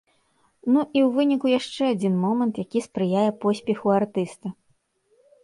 Ну і ў выніку яшчэ адзін момант, які спрыяе поспеху артыста.